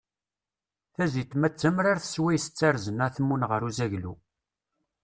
Tazitma d tamrart s wayes ttarzen atmun ɣer uzaglu.